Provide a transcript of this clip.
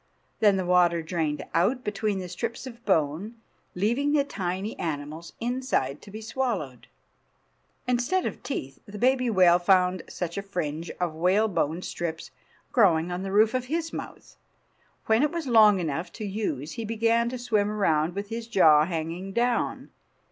Then the water drained out between the strips of bone, leaving the tiny animals inside to be swallowed. Instead of teeth the baby whale found such a fringe of whalebone strips growing on the roof of his mouth. When it was long enough to use he began to swim around with his jaw hanging down.